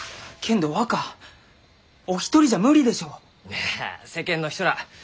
いや世間の人らあ